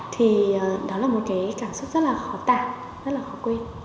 thì đó là một cái cảm xúc rất là khó tạm rất là khó quên